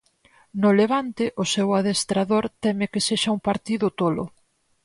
No Levante o seu adestrador teme que sexa un partido tolo.